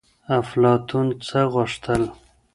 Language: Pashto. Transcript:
افلاطون څه غوښتل؟